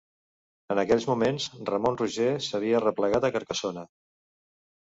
En aquells moments Ramon Roger s'havia replegat a Carcassona.